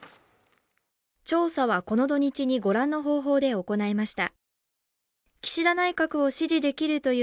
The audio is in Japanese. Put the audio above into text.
調査はこの土日にご覧の方法で行いました。